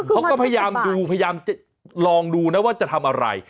เขาก็พยายามดูพยายามจะลองดูนะว่าจะทำอะไร